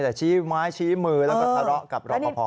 แต่ชี้ไม้ชี้มือแล้วก็ทะเลาะกับรอปภ